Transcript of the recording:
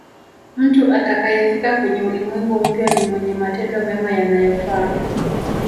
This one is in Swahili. mtu atakayefika kwenye ulimwengu mpya ni mwenye matendo mema yanayofaa